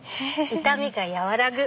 痛みが和らぐ。